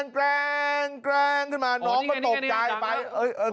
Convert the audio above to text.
กะลาวบอกว่าก่อนเกิดเหตุ